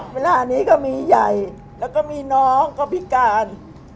เวลานี้ก็มีใหญ่แล้วก็มีน้องก็พิการ